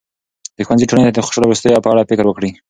د ښوونځي ټولنې ته د خوشاله وروستیو په اړه فکر وکړي.